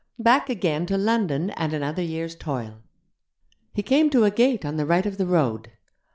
Back again to London and another year's toil. He came to a gate on the right of the road.